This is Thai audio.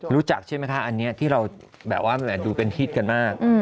ใช่ไหมคะอันนี้ที่เราแบบว่าดูเป็นฮิตกันมาก